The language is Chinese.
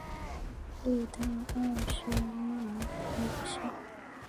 特列奥尔曼县是罗马尼亚南部的一个县。